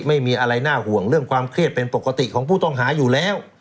ไม่มีอะไรน่าห่วงเรื่องความเครียดเป็นปกติของผู้ต้องหาอยู่แล้ว